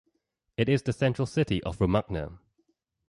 It is the central city of Romagna.